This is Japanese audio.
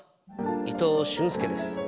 伊藤俊介です。